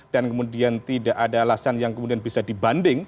dan kemudian tidak ada alasan yang kemudian bisa dibandingkan